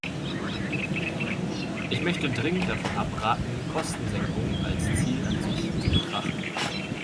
Ich möchte dringend davon abraten, Kostensenkung als Ziel an sich zu betrachten.